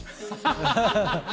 ハハハ！